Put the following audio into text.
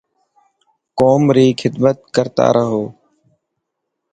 قوم ري خدمت ڪرتارهو.